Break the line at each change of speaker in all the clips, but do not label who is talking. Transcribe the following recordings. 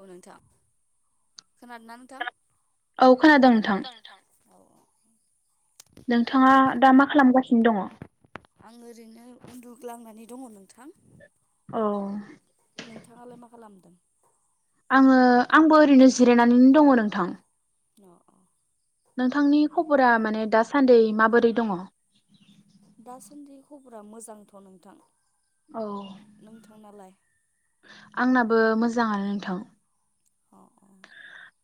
औ नोंथां खोनादों ना नोंथां
औ खोनादों नोंथां
औ ओ
नोंथाङा दा मा खालामगासिनो दङ
आं ओरैनो उन्दुग्लांनानै दङ नोंथां
ओ
नोंथाङालाय मा खालामदों
आङो आंबो ओरैनो जिरायनानैनो दङ नोंथां
अ ओ
नोंथांनि खबरा माने दासान्दि माबोरै दङ
दासान्दि खबरा मोजांथ' नोंथां
औ
नोंथांना लाय
आंनाबो मोजाङानो नोंथां
अ अ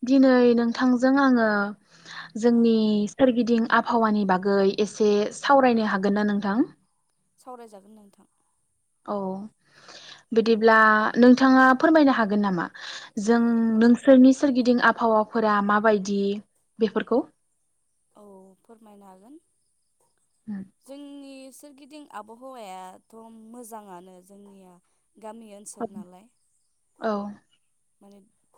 दिनै नोंथांजों आङो
अ
जोंनि सोरगिदिं आबहावानि बागै एसे सावरायनो हागोन ना नोंथां
सावरायजागोन नोंथां
औ बिदिब्ला नोंथाङा फोरमायनो हागोन नामा जों नोंसोरनि सोरगिदिं आबहावाफोरा माबायदि बेफोरखौ
औ फोरमायनो हागोन जोंनि सोरगिदिं आबहावायाथ' मोजाङानो जोंनिया गामि ओनसोल नालाय
औ
माने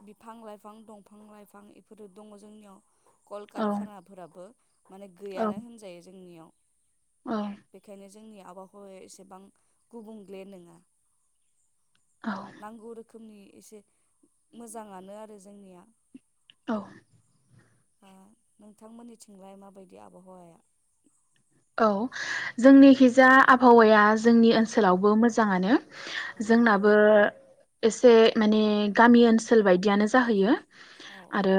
बिफां लाइफां दंफां लाइफां बेफोरो दङ जोंनियाव कल
औ
कारखानाफोराबो माने
औ
गैयानो होनजायो जोंनियाव
औ
बेखायनो जोंनिया आबाहावाया एसेबां गुबुंग्ले नङा।
औ
नांगौ रोखोमनि एसे मोजाङानो आरो जोंनिया।
औ
आ नोंथांमोननिथिंलाय माबायदि आबहावाया?
औ जोंनिखिजा आबहावाया जोंनि ओनसोलावबो मोजाङानो।
औ
जोंनाबो एसे माने गामि ओनसोल बायदियानो जाहैयो।
औ
आरो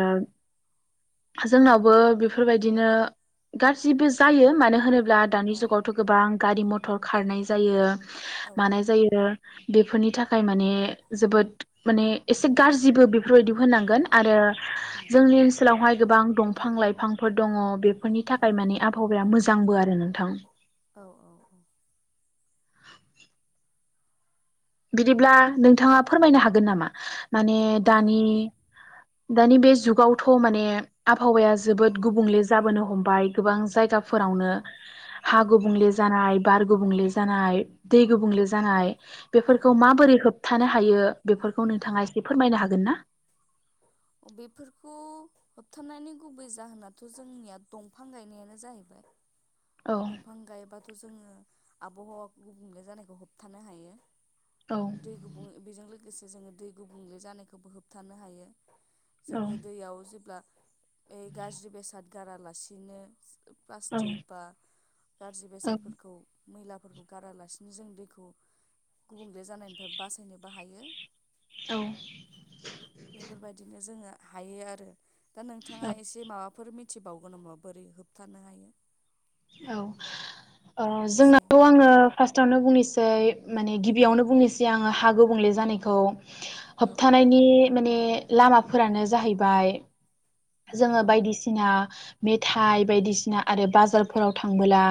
जोंनावबो बेफोरबायदिनो गारजिबो जायो होनोब्ला दानि
औ
जुगावथ' गोबां गारि मथर खारनाय जायो
औ औ
मानाय जायो बेफोरनि थाखाय माने जोबोद माने एसे गारजिबो बेफोरबायदि होनांगोन आरो
उम
जोंनि ओनसोलावहाय गोबां दंफां लाइफांफोर दङ बेफोरनि
औ
थाखाय माने आबहावाया मोज आरो नोंथां।
औ औ औ
[inaudible] बिदिब्ला नोंथाङा फोरमायनो हागोन नामा? माने दानि दानि बे जुगावथ' माने आब हावाया जोबोद गुबुंले जाबोनो हमबाय गोबां
ओ
जायगाफोरावनो
औ
हा गुबुंले जानाय बार गुबुंले जानाय दै गुबुंले जानाय
औ
बेफोरखौ माबोरै होब थानो हायो बेफोरखौ नोंथाङा एसे फोरमायनो हागोन ना?
बेफोरखौ होबथनायनि गुबै जाहोनाथ' जोंनिया दंफां गायनायानो जाहैबाय
औ
दंफां गायोबाथ' जोङो आबहावा गुबुंले जानायखौ होबथानो हायो।
औ
दै गुबुं बेजों लो गोसे जोङो दै गुबुंले जानायखौबो होबथानो हायो।
औ
जोङो दैयाव जेब्ला ए गाज्रि बेसाद गारालासिनो प्लास्टिक
औ
बा गाज्रि बेसादफोरखौ मैलाफोरखौ गारालासिनो जों दैखौ गुबुंले जानायनिफ्राय बासायनोबो हायो
औ
बेफोरबायदिनो जोङो हायो आरो दा नोंथाङा एसे माबाफोर मि थिबावगोन नामा बोरै होबथानो हायो
औ ओ
एसे
जोंनाथ'
औ
आङो फार्स्टआवनो बुंनि सै माने गिबियावनो बुंनोसै आङो हा गुबुंले जानायखौ
औ
होबथानायनि माने लामाफोरानो जाहैबाय
उम
जोङो बायदि सिना मेथाइ बायदिसिना आरो बाजारफोराव थांबोला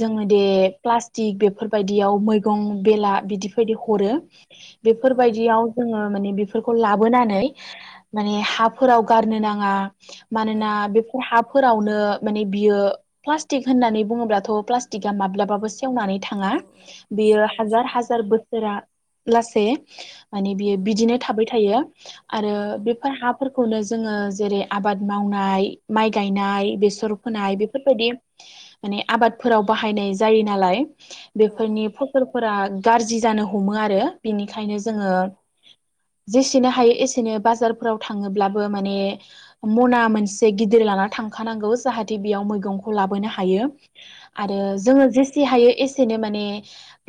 जोङो दे प्ला टिग बेफोरबायदियाव मैगं बेला बिदि बेबादि हरो
औ
बेफोरबायदियाव जोङो माने बेफोरखौ लाबोनानै माने हाफोराव गारनो ना ङा
औ
मानोना बेफोर हा फोरावनो माने बियो प्लास्टिक होननानै बुङोब्लाथ' प्लास्टिका माब्लाबाबो सेेवनानै थाङा
औ
बियो
औ
हाजार
सेवनानै
हाजार
थां
बोसोरा लासे माने बियो
औ
बिदिनो थाबाय थायो आरो
औ
बेफोर हाफोर खौनो जोङो जेरै आबाद मावनाय माइ गायनाय बेसर
औ
फोनाय बेफोरबायदि माने आबादफोराव बाहायनाय जायो नालाय
औ
बेफोरनि फसलफोरा गाज्रि जानो हमो आरो बिनिखायनो
औ
जोङो जेसेनो हायो एसेनो बाजारफोराव थाङोब्लाबो माने मना मोनसे गिदिर लाना थांखानांगौ जाहाथे बेयाव मैगं खौ लाबोनो हायो
औ
आरो जोङो जे से हायो एसेनो माने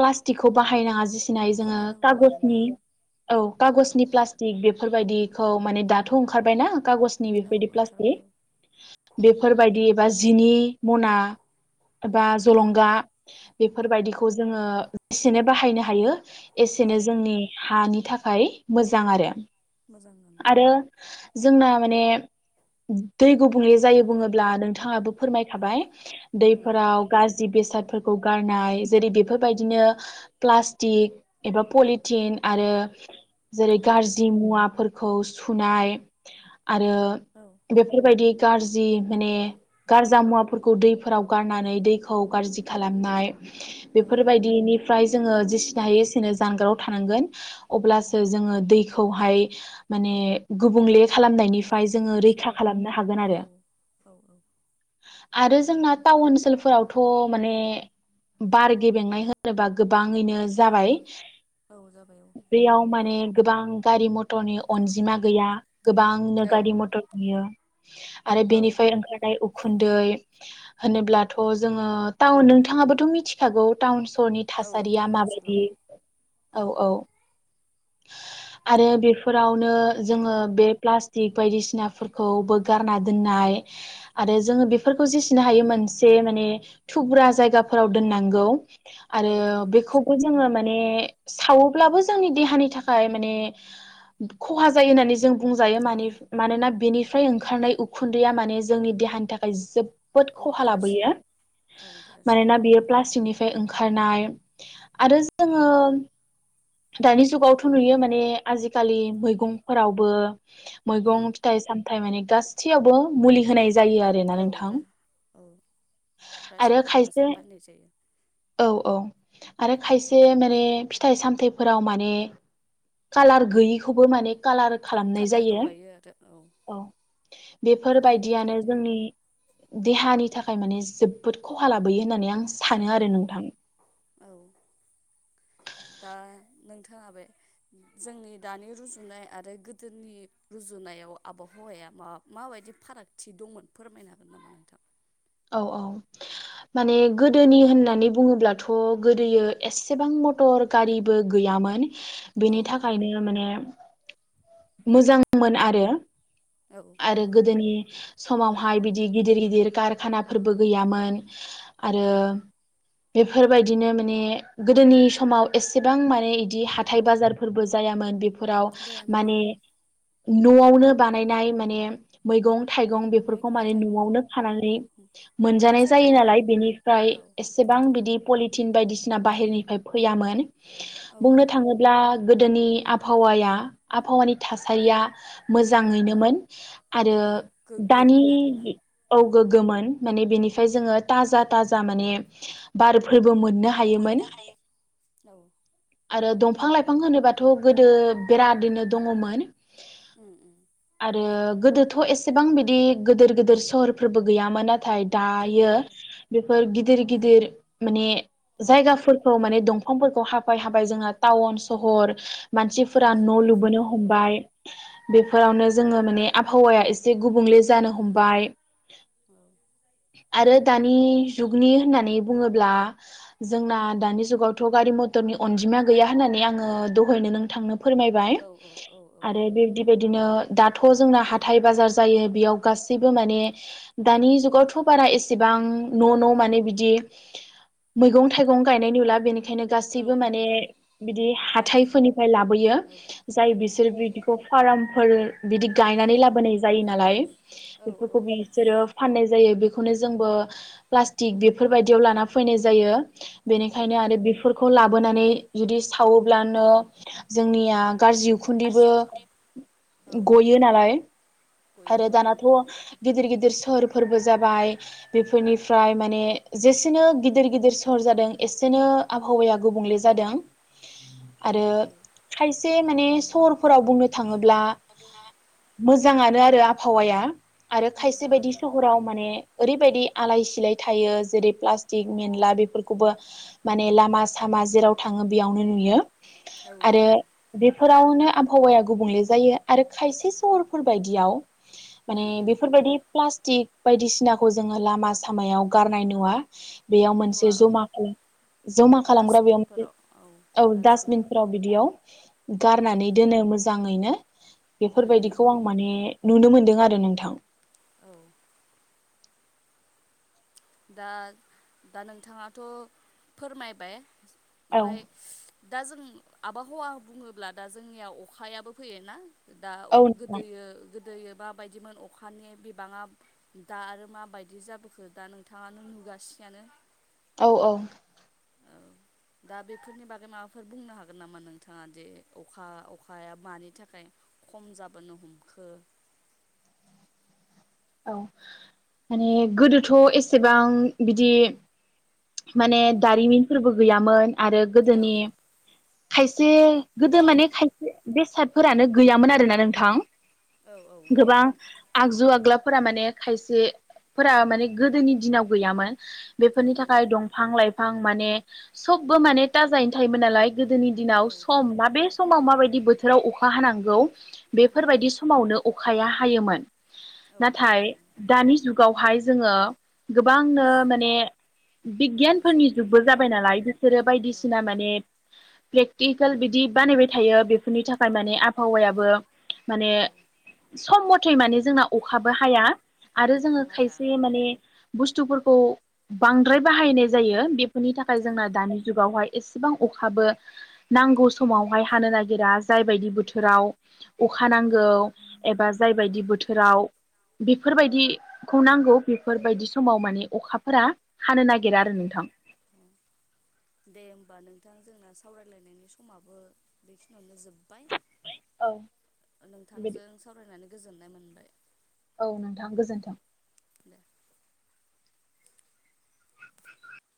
प्लासटिक बाहायनो नांङा जेसेनो हायो जोङो
खमायनांगौ आरोना
कागजनि
आं
औ
औ
कागजनि प्लासटिक बे बेफोरबायदिखौ माने दाथ' ओंखारबायना
औ
बेफोरबायदि प्लासटिक
ओंखारबाय
बेफोरबादि बा जिनि मना बा
औ
जलंगा बेफोरबायदिखौ जोङो जेसेनो बाहायनो हायो
औ
एसेनो जोंनि हानि थाखाय मोजां आरो
मोजां ओं
आरो जोंना माने दैे गुबुंले जायो बुङोब्ला नोंथाङाबो फोरमायखाबाय
उम उम
दैफोराव गाज्रि बेसादफोरखौ गारनाय जेरै बेफोरबायदिनो प्लास्टिक एबा पलिथिन आरो जेरै
औ
गाज्रि मुवा फोर खौ सुनाय आरो
औ
बेफोरबायदि गाज्रि माने गारजा मुवाफोरखौ दैफोराव गारनानै दैखौ गाज्रि खालामनाय
औ
बेफोरबायदिनि फ्राय जोंओ जेसेनो हायो एसेनो जानगाराव‌ थानांगोन अब्लासो जों दैखौहाय माने गुबुंले
औ
खालामनायनिफ्राय जोङो
गुबुनजों
रैखा खालामनो हागोन आरो
औ औ औ
आरो जोंना टाउन ओनसोलफोरावथ' माने बारगे बेंनाय होनोबा गोब बाङैनो
औ
जाबाय
बार औ जाबाय
बेयाव माने गोबां गारि मथरनि अनजिमा गैया गोबांनो
औ औ
गारि म ओम आरो
औ
बेनिफ्राय ओंखार उब उखुन्दै होनोब्लाथ' जोङो टाउन नोंथाङाबोथ' मिथिखागौ टाउन सरनि
औ
थासारिया
टाउन
माबायदि
ओनसोलाव
औ औ आरो बेफोरावनो जोङो बे प्लास्टिक बायदिसि मुवाफोरखौबो गारना दोननाय आरो जोङो बेफोरखौ जेसिनो हायो मोनसे माने थुब्रा जायगाफोराव दोननांगौ आरो
औ दोननांगौ
बेखौबो
जायो
जोङो माने सावोब्लाबो जोंनि देहानि थाखाय माने खहा जायो होननानै जों बुंजायो माने मानोना बेनिफ्राय ओंखारनाय उखुन्दैया माने जोंनि देहानि थाखाय जोब बोद
औ
खहा
गाज्रि
लाबोयो
औ गाज्रि
मानोना बियो प्लास्टिकनि फ्राय ओंखारनाय आरो जोङो दानि जुगावथ' नुयो माने आजिकालि मैगंफोरावबो
उम
मैगं फिथाइ साम थाय माने गासैयावबो मुलि होनाय जायो आरोना
औ
नोंथां
रा औ
आरो
रासायनारि हासार
खायसे
बाहायनाय जायो
औ औ आरो खायसे माने फिथाइ सामथाय फोराव माने कालार गैयैखौबो माने कालार खालामनाय
कालार
जायो
लगायो आरो
औ
गोबां
बेफोरबायदियानो जोंनि
बेफोरबायदिनो
देहानि थाखाय माने जोबोद खहा लाबोयो होननानै आं सानो आरो नोंथां।
औ औ दा नोंथाङा बे जोंनि दानि रुजुनाय आरो गोदोनि रुजुनायाव आबहावाया मा माबायदि फारागथि दंमोन फोरमायनो हागोन नामा नोंथां?
औ औ माने गोदोनि होननानै बुङोब्लाथ' गोदोयो एसेबां मटर गारिबो गैयामोन।
औ
बेनि
गैयामोन
थाखायनो माने [unintelligible]
औ
आरो गोदोनि समावहाय बिदि गिदिर गिदिर कारखानाफोरबो गैयामोन। आरो
उम
बेफोरबायदिनो माने गोदोनि समाव एसेबां मा ने इदि हाथाय बाजार फोरबो जायामोन बे फोराव
जायामोन औ
माने न'आवनो बानायनाय मा ने मैगं थाइगं बेफोरखौ
मैगं
माने
थाइगंखौ
न'आवनो
औ
खानानै मोनजानाय जायो
मोनजायोमोन
नालाय बेनिफ्राय
आरो
एसेबां बिदि पलि थिन बायदिसिना बाहेरनिफ्राय फैयामोन।
औ
बुंनो थाङोब्ला गोदोनि आबहावाया आबहावानि थासारिया मोजाङैनोमोन। आरो
औ
दानि
गोग्गोमोन आरोना
औ
उम
गोग्गोमोन। माने बेनिफाय जोङो ताजा ताजा माने बारफो बो मोननो होयोमोन।
मोननो हायो औ
आरो दंफां लाइफां होनोबाथ' गोदो बेराद दैनो दङमोन।
उम उम
रो गोदोथ' एसेबां बिदि गोदोर गोदोर सहरफोरबो गैयामोन नाथाय दायो
गैयामोन औ
बेफोर गिद दिर गिदिर माने
दा
जायगाफोरखौ माने दंफांफोरखौ हा बाय हाबाय जोंना टाउन सहर मानसिफोरा न' लुबोनो
जौगाबोबाय औ
हमबाय। बेफोरावनो जोङो माने आबहावाया एसे गुबुंले जानो हमबाय
औ
आरो दानि जुगनि होननानै बुङोब्ला जोंना दानि जुगावथ' गारि मथरनि अनजिमाया गैया होननानै आङो दहायनो नोंथांनो फोरमायबाय
औ औ औ औ
आरो
औ
बिबदि बेदिनो दाथ' जोंना हाथाइ बाजार जायो बेयाव गासैबो माने दानि जुगावथ' बारा एसेबां न' न' माने बिदि मैगं थाइगं गायनाय नुला बेनि खायनो
औ
गासैबो माने
नुला
बिदि
बायनाय
हाथाइफोरनिफ्राय लाबोयो
औ
जाय
बायनाय
बिसोर
लाबोयो
बिदिखौ फारामफोर बिदि गायनानै लाबोनाय जायो नालाय
औ
बेफोरखौ
औ
बिसोरो फानै जायो बेखौनो जोंबो प्लास्टिक बेफोरबायदियाव लाना फैनाय जायो
औ
बेनिखायनो आरो बेफोरखौ ला बोनानै जुदि सावोब्लानो जोंनिया ओ गाज्रि उखुनदैबो
गाज्रि उखुन्दै औ
गयो नालाय
गयो
आरो
औ
दानाथ' गिदिर गिदिर सहरफोरबो जाबाय बेफोरनिफ्राय माने जेसेनो गिदिर गिदिर सहर जादों एसेनो आबहावाया गुबुंले जादों आरो
औ
खायसे माने सहरफोराव बुंनो थाङोब्ला मोजांआनो आ ओ आबहावाया आरो खायसे बायदि
मोजाङानो
सहराव माने ओरैबायदि आलाय सिलाय थायो जेरै प्लास्टिक मेनला बेफोरखौबो माने लामा सामा जेराव थाङो बेयावनो नुयो
औ औ
आरो
नुयो
बेफोरावनो आ हावाया गुबुंले जायो आरो खायसे सहरफोर बायदियाव माने
उम उम
बेफोरबायदि प्लास्टिक बायदिसिनाखौ जोङो लामा सामायाव गारनाय नुवा बेयाव मोनसे
नुवा औ
जमा जमा खालामग्रा बेयाव औ
डास्टबिन
डासटबिनफोराव बिदियाव
औ
गारनानै दोनो मोजाङैनो
उम उम
बेफोरबायदिखौ
उम
आं माने नुनो मोनो दों आरो नोंथां
औ दा दा नोंथाङाथ' फोरमायबाय
औ
ओमफाय दाजों आबहावा बुङोब्ला दा जोंनिया अखायाबो फैयोना? दा अ
औ नोंथां
गोदोयो गोदो माबायदिमोन अखानि बिबाङा दा आरो माबायदि जाबोखो दा नों थाङानो नुगासिआनो
औ औ
औ दा बेफोरनि बागै माबाफोर बुंनो हागोन नामा नोंथाङा दि अखा अखाया मानि थाखाय खम जाबोनो हमखो
औ माने गोदोथ' एसेबां बिदि माने
उम
दारिमिनफोरबो गैयाम मोन आरो
औ
गोदोनि खायसे गोदो माने खायसे बेसाद फोरानो गैयामोन आरोना नोंथां
औ औ
गोबां
गैयामोन
आगजु आग्ला फोरा माने खायसेफोरा माने गोदोनि दिनाव गैयामोन
औ
बेफोरनि थाखाय
गैयामोन
दंफां लाइफां माने सबबो माने थाजायैनो थायोमोन नालाय गोदोनि
औ
दिनाव सम
थारैनो
ना
औ
बे समाव माबायदि बोथोर बोथोराव अखा हानांगौ
उम
बेफोरबायदि समावनो अखाया हायोमोन
औ
नाथाय
हायोमोन औ
दानि जुगावहाय जोङो गोबांनो माने
औ सम
बिगियानफोरनि जुगबो
गैलिया
जाबाय नालाय बिसोरो
औ
बायदिसिना माने प्रेक्टिकेल बिदि बानायबाय थायो बेफोरनि थाखाय माने आबहावायाबो माने
औ
सम [unintelligible] थे माने जोंखौ अखाबो हाया आरो
औ
जोङो
हाया औ
खायसे माने बुस्थुफोरखौ बांद्राय बाहायनाय जायो [unintelligible] बेनि थाखाय जोंना
जायो औ
दानि जुगावहाय एसेबां अखाबो नांगौ समावहाय हानो नागिरा जाय बायदि बोथोराव अखा नांगौ एबा जाय
औ
बायदि बोथोराव बेफोरबायदिखौ नांगौ बेफोरबायदि समाव माने अखाफोरा हानो नागिरा
औ
आरो नोंथां।
दे होमबा नोंथां जोंना सावरायलायनायनि समाबो बेखिनियावनो जोब
औ
नोंथां
बेबायदि
सावरायनानै गोजोननाय मोनबाय
औ नोंथां गोजोन्थों
दे